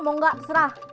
mau gak serah